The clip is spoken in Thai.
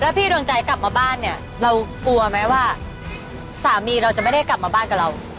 พี่ดวงใจกลับมาบ้านเนี่ยเรากลัวไหมว่าสามีเราจะไม่ได้กลับมาบ้านกับเรา